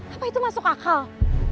apa itu masuk akal